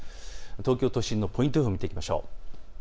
東京都心のポイント予報を見ていきましょう。